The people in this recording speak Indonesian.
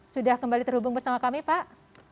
sudah kembali terhubung bersama kami pak